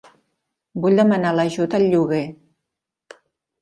Vull demanar l'ajut al lloguer.